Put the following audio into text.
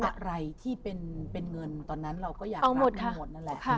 อะไรที่เป็นเงินตอนนั้นเราก็อยากเอาหมดนั่นแหละ